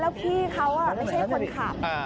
แล้วพี่เขาไม่ใช่คนขับ